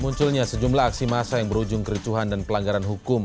munculnya sejumlah aksi massa yang berujung kericuhan dan pelanggaran hukum